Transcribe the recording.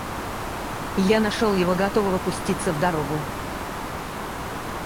Я нашел его готового пуститься в дорогу.